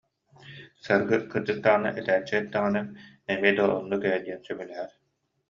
Саргы кырдьык даҕаны этээччи эттэҕинэ, эмиэ да оннук ээ диэн сөбүлэһэр